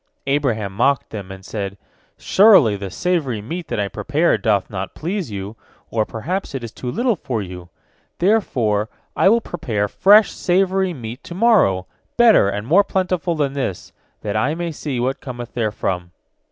Abraham mocked them, and said, "Surely, the savory meat that I prepared doth not please you, or perhaps it is too little for you! Therefore I will prepare fresh savory meat to morrow, better and more plentiful than this, that I may see what cometh therefrom."